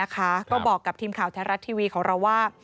ก็บอกกับทีมข่าวแท้รัฐทีวีของเราว่า